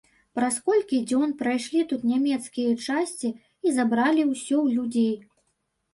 Праз колькі дзён прайшлі тут нямецкія часці і забралі ўсё ў людзей.